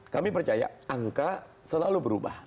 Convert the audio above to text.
kami percaya angka selalu berubah